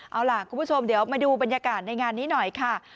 เอาล่ะคุณผู้ชมเดี๋ยวมาดูบรรยากาศในงานนี้หน่อยค่ะ